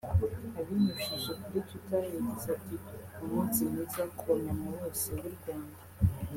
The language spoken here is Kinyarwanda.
Abinyujije kuri Twitter yagize ati "Umunsi mwiza ku ba mama bose b’u Rwanda